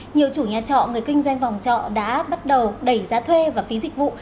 nhiều chủ nhà trọ người kinh doanh phòng trọ đã bắt đầu đẩy giá thuê và phí dịch vụ